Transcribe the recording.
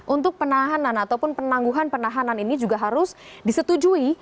untuk penahanan ataupun penangguhan penahanan ini juga harus disetujui